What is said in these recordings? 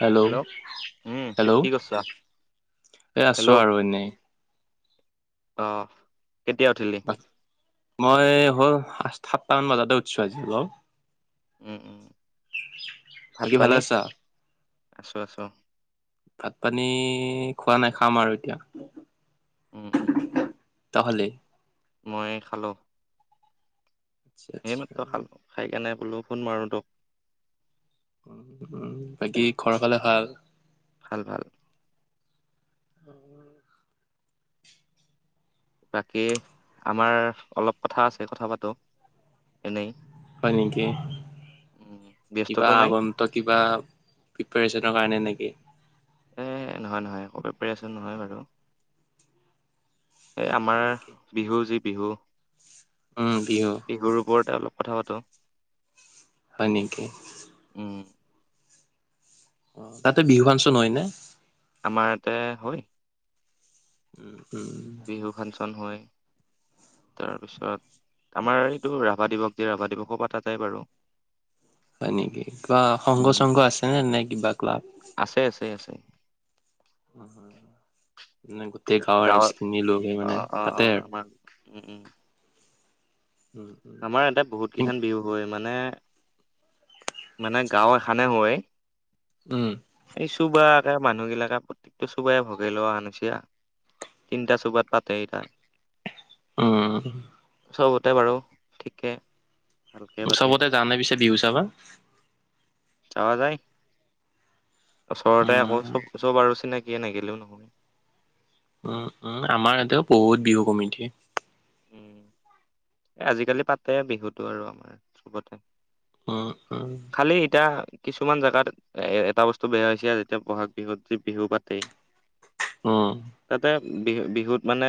Hello উম hello কি কৰিছা এই হেল্ল' আছোঁ আৰু এনেই অ কেতিয়া উঠিলি মই হ'ল আঠ সাতটামান বজাতে উঠছোঁ আজি ল্লও উম উম ভাত বাকী ভালে পানী আছা আছো আছো ভাত পানী খোৱা নাই খাম আৰু এতিয়া উম উম তই খালি মই খালোঁ আচ্ছা আচ্ছা এইমাত্ৰ খালো খাই কেনে বোলো ফোন মাৰো তোক উ উ বাকী ঘৰৰ ফালে ভাল ভাল ভাল [unintelligible] বাকী আমাৰ অলপ কথা আছে কথা পাতো এনেই হয় নেকি উম কিবা ব্যস্ততো নাই আগম ত কিবা প্ৰিপ্ৰেৰেচনৰ কাৰণে নেকি এ নহয় নহয় ক প্ৰিপ্ৰেৰেচন নহয় বাৰু এই হয় আমাৰ নেকি বিহু যি বিহু উম বিহু। বিহুৰ ওপৰতে অলপ কথা পাতো। হয় নেকি? উম। অ তাতে বিহু ফাংচন হয় নে? আমাৰ ইতে হয়। উম উম। বিহু ফাংচন হয় তাৰপিছত। আমাৰ এইটো ৰাভা দিৱস যে ৰাভা দিৱসো পাতা যায় বাৰু। হয় নেকি কিবা সংঘ উম সংঘ আছেনে নাই কিবা ক্লাব? আছে আছে আছে। উ মানে গোটেই গাঁৱৰ ৰাইজ গাঁৱত খিনি লগহে অ মানে অ অ পাতে আৰু। আমাৰ উম উম। উম উম। আমাৰ ইয়াতে বহুত কেইখনান বিহু হয় মানে মানে গাঁও এখনে হয়। উম। এই চোবাকে মানুহ বিলাকে প্ৰত্যেকটো চোবাইে ভগাই লোৱা আনচা। তিনিটা চুবাত পাতে ইটা। উম। চবতে বাৰু ঠিকেই। চবতে জানে পিছে বিহু চাবা? তজাই। ওচৰতে আকৌ উম, চব চব আৰু চিনাকিয়ে নাগিলেও নহয়। উম উম আমাৰ ইতেও বহুত বিহু কমিটি। উম। এ আজিকালি পাতে বিহুতো আৰু আমাৰ চবতে উম, উম, খালি এতিয়া কিছুমান জেগাত এ এটা বস্তু বেয়া হৈছে যেতিয়া বহাগ বিহুত যে বিহু পাতে। উম, তাতে বিহু বিহুত মানে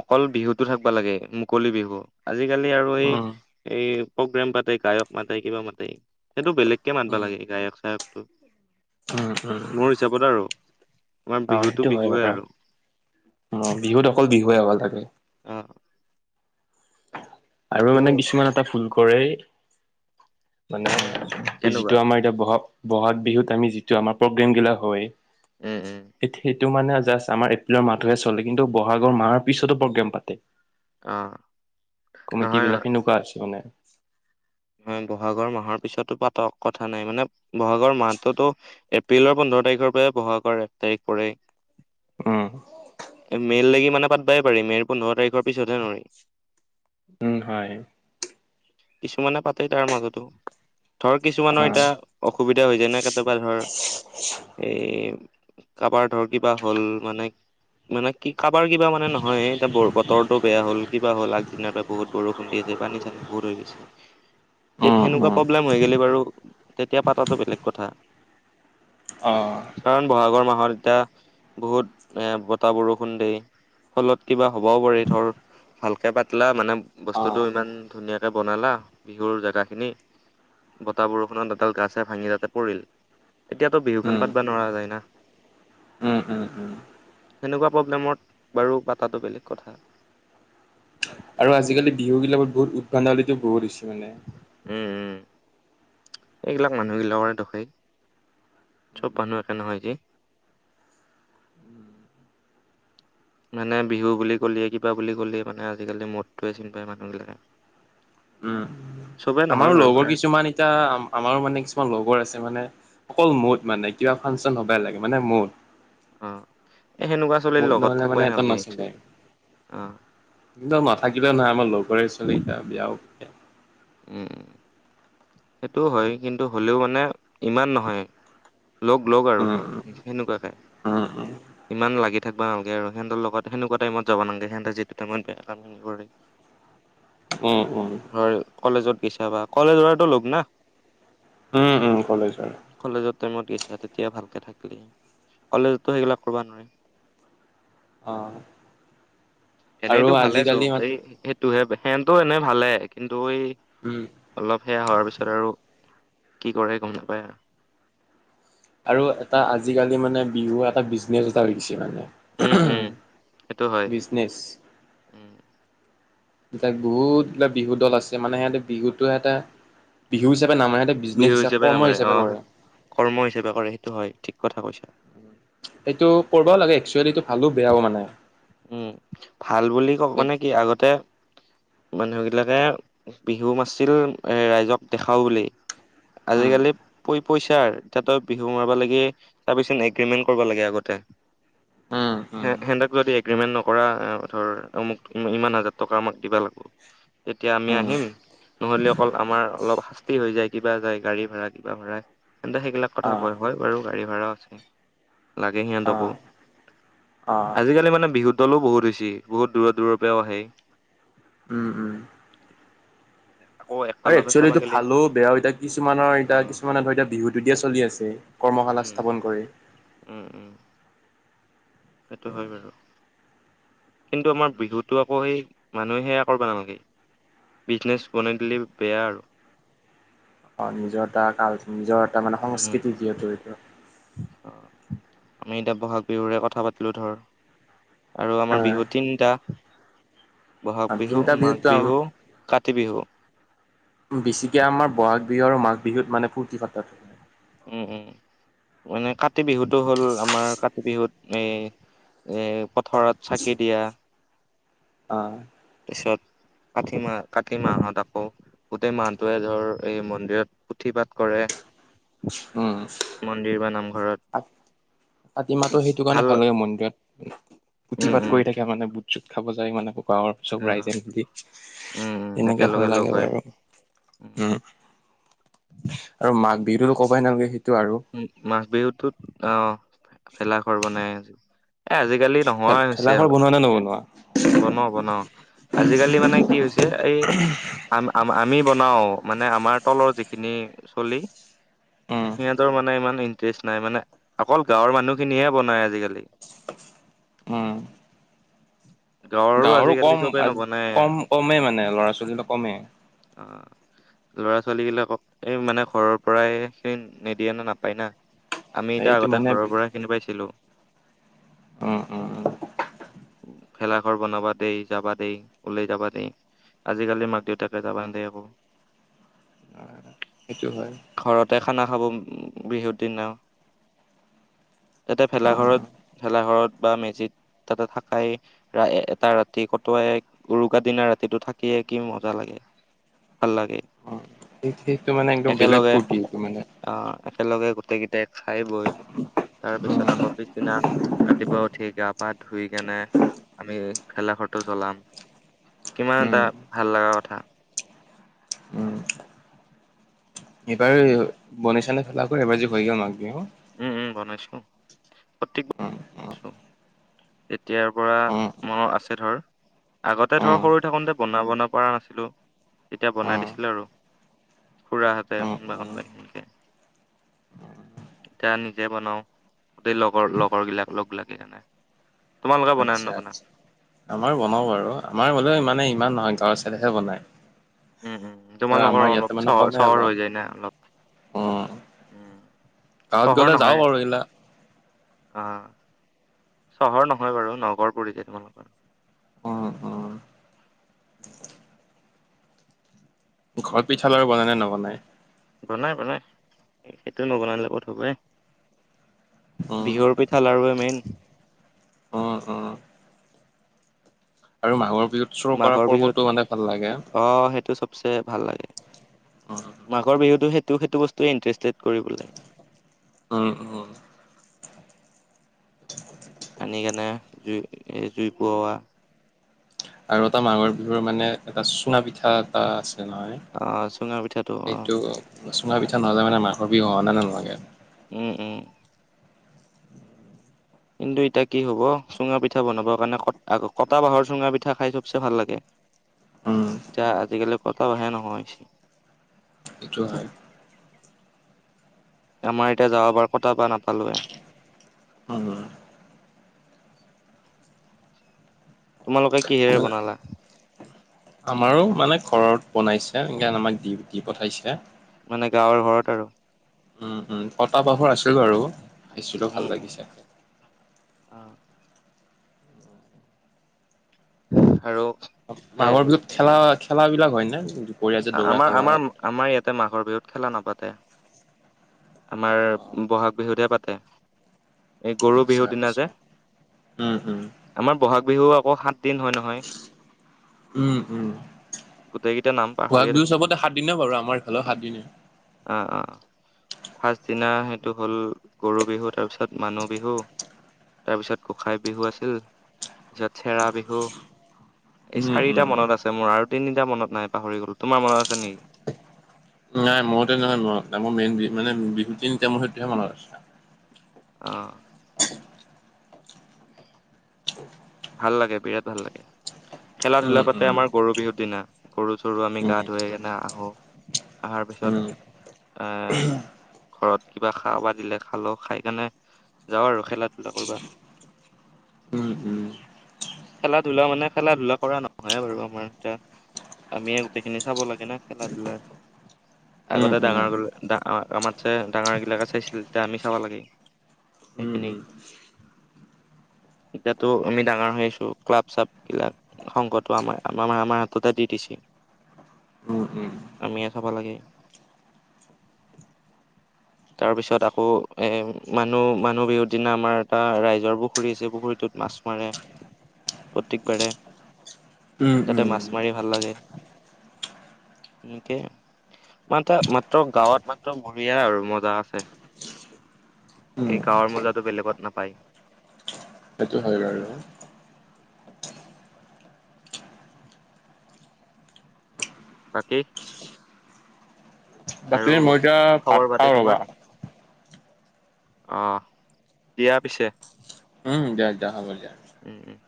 অকল বিহুতো থাকিবা লাগে। কলি বিহু আজিকালি আৰু এই উম, এই প্ৰগ্ৰেম পাতে গায়ক মাতে কিবা মাতে সেইটো বেলেগ। একে মাতবা উম। লাগে গায়ক চায়কটো উম, মোৰ হিচাপত আৰু। আমাৰ অঁ, বিহুতো সেইটো হয় ব বিহুৱে আৰু অ বিহুত অকল বিহুৱে হব লাগে। অঁ। আৰু মানে কিছুমান এটা ভুল কৰে উম মানে তেনেকুৱা যিটো আমাৰ এতিয়া বহাগ বহাগ বিহুত আমি যিটো আমাৰ প্ৰগ্ৰেম গিলা হয়। এ এ। সেইটো মানে জাষ্ট আমাৰ এপ্ৰিলৰ মাহটোহে চলে কিন্তু বহাগৰ মাহৰ পিছতো প্ৰগ্ৰেম পাতে। অঁ। কমিটি বিলাক সেনেকুৱা আছে মানে। হয় বহাগৰ মাহৰ পিছতো পাতক কথা নাই মানে বহাগৰ মাহতোতো। এপ্ৰিলৰ পোন্ধৰ তাৰিখৰ পৰা বহাগ কৰ এক তাৰিখ উম, পৰেই। মেইৰ লাগি মানে পাতবাই পাৰি মেইৰ পোন্ধৰ তাৰিখৰ পিছতহে নহয়। উম হয়। কিছুমানে পাতে তাৰ মাজতো ধৰ কিছুমানৰ অ', এতিয়া অসুবিধা হৈ যায় ন কেতিয়াবা ধৰ। এ কাবাৰ ধৰ কিবা হ'ল মানে মানে কি কাবাৰ কিবা মানে নহয় এতিয়া বতৰটো বেয়া হ'ল কিবা হ'ল আগদিনাৰ পৰা বহুত বৰষুণ দি আছে পানী চানি বহুত লাগিছে তে উম, সেনেকুৱা উম। প্ৰব্লেম হৈ গলে বাৰু তেতিয়া পাতাটো বেলেগ কথা অ কাৰণ বহাগৰ মাহত এতিয়া বহুত এ বতাহ বৰষুণ দেই ফলত কিবা হ'বও পাৰি ধৰ ভালকৈ পাতলা মানে বস্তুটো অ'। ইমান ধুনীয়াকৈ বনালা বিহুৰ জেগা খিনি বতাহ বৰষুণত এডাল গা ছাল ভাঙি তাতে পৰিল এতিয়াতো বিহুখন উম, পাতবা নোৱাৰা যায় না উম উম উম সেনেকুৱা প্ৰব্লেমত বাৰু পাতাটো বেলেগ কথা আৰু আজিকালি বিহুবিলাকত বহুত উদভাণ্ডাৱলিটো বহুত হৈছে মানে উম এইবিলাক মানুহগিলাকৰে দখাই চব মানুহ একে নহয় যে মানে বিহু বুলি কলে কিবা বুলি ক'লে মানে আজিকালি মদটোৱে চিনি পায় মানুহ বিলাকে উম নহয় আমাৰো বাৰু লগৰ তাৰ কিছুমান এতিয়া আমাৰো মানে কিছুমান লগৰ আছে মানে অকল মদ মানে কিবা ফাংচন হব লাগে মানে মত অ এ সেনেকুৱা ছোৱলীৰ মুদ লগত নহ'লে মানে থাকিবাই এটা নালাগে নচলে। একচলি কিন্তু নাথাকিলে নহয় আমাৰ লগৰ ছোৱালীকেইটা বিয়াও উম সেইটো হয় কিন্তু হ'লেও মানে ইমান নহয় লগ লগ আৰু উম, ধৰ উম। সেনেকুৱাকে উম, উম, ইমান লাগি থাকিব নালাগে আৰু সেহতৰ লগত হেনেকুৱা টাইমত যাব নালাগে হেঁতে যিটো টাইমত বেয়া প [inaudible] উম উম কলেজত গৈছা বা কলেজত টো লগ না উম উম কলেজৰ কলেজৰ টাইমত গৈছা তেতিয়া ভালকে থাকিলি কলেজতো সেইবিলাক কৰিবা অ', নোৱাৰি আৰু এনেইতো ভালে আজিকালি চব এই টো সেনতো এনে ভালে কিন্তু এই উম অলপ সেয়া হোৱাৰ পিছত আৰু কি কৰে গম নাপায় আৰু এটা আজিকালি মানে বিহু এটা বিজনেচ এটা হৈ গৈছে মানে উম উম সেইটো হয় বিজনেছ উম এ বহুতবিলাক বিহু দল আছে মানে সিহঁতে বিহুতো এটা বিহু হিচাপে নামে সিহঁতে বিজনেছ বিহু হিচাপ কৰ্ম নামাৰে অ হিচাপে কৰে কৰ্ম হিচাপে কৰে সেইটো হয় ঠিক কথা কৈছা সেইটো কৰিবও লাগে একচুৱেলিটো ভালো বেয়াও মানে উম ভাল বুলি কক মানে কি আগতে মানুহবিলাকে বিহু নাছিল ৰাইজক দেখাও বুলি উম, আজিকালি পইচাৰ তাতই বিহু মাৰিব লাগে তাৰ পিছত এগ্ৰিমেন্ট কৰিব লাগে আগতে উম, হে উম, হেদাক যদি এক এগ্ৰিমেণ্ট নকৰা ধৰ আমুক ইমান হাজাৰ টকা আমাক দিবা লাগিব তেতিয়া আমি উম, আহিম নহ'লে অকল আমাৰ অলপ কি হৈ যায়? কিবা যায়, গাড়ী ভাড়া, কিবা ভাড়া তেন্তে সেইগিলাক কথা অ', বাৰু হয় বাৰু গাড়ী ভাড়া আছে, লাগে সিহঁতকো। অ', অ', আজিকালি মানে বিহুৰ দলো বহুত হৈছে, বহুত দূৰৰ দূৰৰ পৰাও আহে। উম উম। উ [inaudible] আৰু এক্চুৱেলিটো ভালো বেয়াও এতিয়া, কিছুমানৰ এতিয়া অ' কিছুমানে ধৰ এতিয়া বিহুটো দিয়ে চলি আছে। কৰ্মশালা উম, স্থাপন কৰি। উম উম। সেইটো হয় বাৰু। কিন্তু আমাৰ বিহুতটো আকৌ সেই মানুহে সেয়া কৰিব নালাগে। বিজনেছ বনাই দিলে বেয়া আৰু। অ নিজৰ এটা কাল, নিজৰ এটা মানে উম, সংস্কৃতি যিহেতু এইটো অ আমি এতিয়া বহাগ বিহুৰে কথা পাতিলো ধৰ, আৰু আমাৰ বিহু তিনিটা। বহাগ বিহু, তিনিটা মাঘ বিহুতটো বিহু, কাতি বিহু। বেছিকে আমাৰ বহাগ বিহু আৰু মাঘ বিহুত মানে ফূৰ্তি ফাতা হয়। উম উম। মানে কাতি বিহুতটো হ'ল, আমাৰ কাতি বিহুত এই এ পথাৰত চাকি দিয়া, অ তাৰপিছত কাতি মাহ, কাতি মাহত আকৌ গোটেই মাহটোৱে ধৰ এই মন্দিৰত পুথি পাঠ কৰে। উম। মন্দিৰ বা নামঘৰ। কাতি মাহটো সেইটো কাৰণে ভাল লাগে, মন্দিৰত পুথি উম পাঠ উম কৰি থাকে। মানে বুট যুট খাব যায় মানুহবোৰ। মাহত চব অ ৰাইজে মিলি, উম উম এনেকে ভাল একেলগে লগ লাগে হৈ বাৰু। উম। আৰু মাঘ বিহুতো কবাই নালাগে সেইটো আৰু উম, মাঘ বিহুটোত অ ভেলাঘৰ বনাই আজি এ আজিকালি নোহোৱা হৈছে ভেলাঘৰ হ'বলা, বনোৱা নে নবনোৱা? বনাও বনাও আজিকালি মানে কি হৈছে, এই আ আমি বনাও মানে আমাৰ তলৰ যিখিনি চলি উম সিহঁতৰ মানে ইমান ইণ্টাৰেষ্ট নাই মানে, অকল গাঁৱৰ মানুহখিনিহে বনাই আজিকালি। উম। গাঁৱৰো আজিকালি কম চবে আজ নবনায়। কম কমেই মানে ল'ৰা ছোৱালীবিলাক কমেই। অ ল'ৰা ছোৱালী বিলাকক এই মানে ঘৰৰ পৰাই সেই নিদিয়ে না, নাপায় না? আমি এতিয়া এইটো আগতে মানে ঘৰৰ পৰাই সেইখিনি পাইছিলো। উম উম উম। ভেলাঘৰ বনাবা দেই, যাবা দেই, ওলাই যাবা দেই, আজিকালি মাক দেউতাকে যাব নিদিয়ে আকৌ। সেইটো হয়। ঘৰতে খানা খাব বিহুৰ দিনাও, তাতে অ', ভেলাঘৰত ভেলাঘৰত বা মেজিত তাতে থাকাই ৰা এটা ৰাতি কতুৱাই, উৰুকা দিনা ৰাতিটো থাকিয়ে কি মজা লাগে। ভাল লাগে। অ', সেই সেইটো মানে একদম বেলেগ ফুৰ্তি এইটো মানে। অ একেলগে গোটেই কেইটাই খাই বৈ, তাৰ পিছত আকৌ উম, পিছদিনা ৰাতিপুৱা উঠি গা পা ধুই কেনে আমি ভেলাঘৰটো জ্বলাম কিমান উম, এটা ভাল লগা কথা। উম। এইবাৰ বনাইছা নে ভেলাঘৰ এইবাৰ যে হৈ গ'ল মাঘ বিহু? উম উম বনাইছো প্ৰতীক উম উম এতিয়াৰ পৰা উম মনত আছে ধৰ আগতে ধৰ উম সৰু থাকোতে বনাব পৰা নাছিলো তেতিয়া বনাই উম দিছিলে আৰু। খুৰাহঁতে উম কোনোবা উম কোনোবাই সেনেকে। এতিয়া নিজে বনাও গোটেই লগৰ লগৰ বিলাক লগলাগিকিনে। আচ্ছা আচ্ছা। আমাৰ বনাওঁ বাৰু আমাৰ হোলেও মানে ইমান নহয় গাঁৱৰ ছাইডহে বনায়। উম উম ত' তোমালোকৰ আমাৰ অলপ ইয়াতে মানে চহৰ কমেই চহৰ হৈ যায় না অলপ। উম। উম গাঁৱত গ'লে চহৰ যাওঁ নহয়। বাৰু এইগিলা উম চহৰ নহয় বাৰু নগৰ পৰি যায়। তোমালোকৰ? উম উম ঘৰত পিঠা লাৰু বনাই নে নবনাই? বনাই বনাই, সেইটো নবনালে কত হ'ব এ। উম বিহুৰ পিঠা লাৰুৱে মেইন। উম উম আৰু মাঘৰ বিহুত চুৰ কৰা পৰ্বতো মানে ভাল লাগে। অঁ সেইটো চব চে ভাল লাগে, উম মাঘৰ বিহুতো সেইটো সেইটো বস্তুৱে ইন্টাৰেষ্টেড কৰিবলৈ। উম উম। আনি কেনে জুই জুই ফুৰোৱা। আৰু এটা মাঘৰ বিহুৰ মানে এটা চুঙা পিঠা এটা আছে অ চুঙা পিঠাটো নহয়। অ এইটো চুঙা পিঠা নহলে মানে মাঘৰ বিহু হোৱা যেন নালাগে। উম উম। কিন্তু এতিয়া কি হ'ব চুঙা পিঠা বনাবৰ কাৰণে কটা বাঁহৰ চুঙা পিঠা খাই চবচে ভাল লাগে। উম যা আজিকালিৰ কতাও আহে নহয়। এইটো হয়। আমাৰ এতিয়া যাৱা বাৰ কতা বাহ নাপালোৱে। উমম। তোমালোকে কিহেৰে বনালা? আমাৰো মানে ঘৰত বনাইছে সে আমাক দি দি পঠাইছে। মানে গাঁৱৰ ঘৰত আৰু। উম উম, কটা বাহৰ আছিল বাৰু পিছিলোঁ উম ভাল উম লাগিছে। অ। আৰু সেই মাঘৰ বিহুত খেলা খেলা বিলাক হয় নে? দুপৰীয়া যে দৌৰা আমাৰ খেলা আমাৰ আমাৰ ইয়াতে মাঘৰ বিহুত খেলা নাপাতে। আমাৰ বহাগ বিহুতে পাতে। এই গৰু আচ্ছা বিহুৰ দিনা যে আচ্ছা উম উম আমাৰ বহাগ বিহু আকৌ সাত দিন হয় নহয়। উম উম। গোটেইকেইটা নাম বহাগ পাহৰিয়ে বিহু থাকিলো চবতে সাত দিনে বাৰু আমাৰ ইফালেও সাত দিনে। আঁহ' আঁহ'। ফাৰ্ষ্ট দিনা সেইটো হ'ল গৰু বিহু তাৰপিছত মানুহ বিহু তাৰপিছত গোঁসাই বিহু আছিল তাৰপিছত চেৰা বিহু। এই উম উম চাৰিটা মনত আছে মোৰ আৰু তিনিটা মনত নাই পাহৰি গ'ল তোমাৰ মনত আছে নেকি নাই মইতে নহয় ম মোৰ মেইন মানে বিহু তিনিটা মোৰ সেইটোহে মনত আছে অ ভাল লাগে বিৰাট ভাল লাগে খেলা ধূলা উম পাতে উম আমাৰ গৰু বিহুৰ দিনা গৰু চৰু আমি উম গা ধুৱাই কিনে আহো আহাৰ উম পিছত এ ঘৰত কিবা খাব দিলে খালো খাই কেনে যাওঁ আৰু খেলা ধূলা কৰবা উম, উম, খেলা ধূলা মানে খেলা ধূলা কৰা নহয় বাৰু আমাৰ এতিয়া আমি গোটেইখিনি চাব লাগে না খেলা ধূলা উম, আগতে ডাঙৰ আমাৰ সৰু ডা আমা তছে ডাঙৰ গিলাকে চাইছিলে তেতিয়া আমি চাব লাগে উম সেইখিনি উম তো আমি ডাঙৰ হৈ আছো ক্লাব চাব গিলাক সংকটো আমাৰ আৰু আমাৰ হাততে দি দিছে উম, উম, আমিয়ে চাব লাগে তাৰ পিছত আকৌ এ মানুহ মানুহ বিহুৰ দিনা আমাৰ এটা ৰাইজৰ পুখুৰী আছে পুখুৰীটোত মাছ মাৰে প্ৰত্যেকবাৰে তাতে উম, মাছ মাৰে ভাল লাগে এনেকে মাত্ৰা মাত্ৰ গাঁৱত মাত্ৰ বঢ়িয়া আৰু মজা আছে উম, এই গাঁৱৰ মজাতো বেলেগত নাপায় সেইটো হয় বাৰু বাকী বাকী আৰু মই এতিয়া ভাত খবৰ খাওঁ পাতি ৰবা তোমাৰ অ দিয়া পিছে উম দিয়া দিয়া হ'ব দিয়া উম উম